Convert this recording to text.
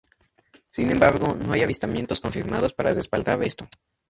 Sin embargo, no hay avistamientos confirmados para respaldar esto.